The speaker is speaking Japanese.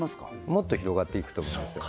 もっと広がっていくと思いますよ